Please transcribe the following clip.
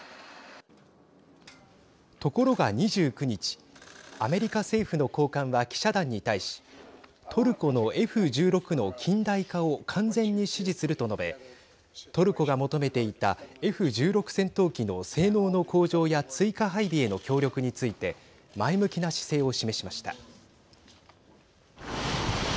ところが２９日アメリカ政府の高官は記者団に対しトルコのＦ１６の近代化を完全に支持すると述べトルコが求めていたＦ１６戦闘機の性能の向上や追加配備への協力について前向きな姿勢を示しました。